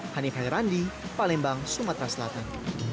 hanif hairandi palembang sumatera selatan